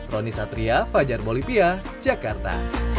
roni satria fajar bolivia jakarta